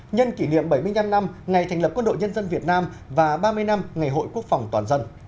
nhân kỷ niệm bảy mươi năm năm ngày thành lập quân đội nhân dân việt nam và ba mươi năm ngày hội quốc phòng toàn dân